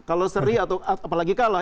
kalau seri atau apalagi kalah